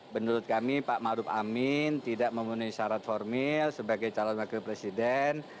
menurut kami pak maruf amin tidak memenuhi syarat formil sebagai calon wakil presiden